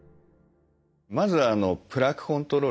まずはプラークコントロールですね。